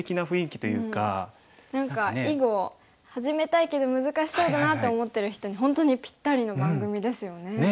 何か囲碁始めたいけど難しそうだなって思ってる人に本当にぴったりの番組ですよね。